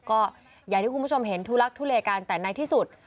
ก็อย่างที่คุณผู้ชมเห็นทุลักทุเลกันแต่ในที่สุด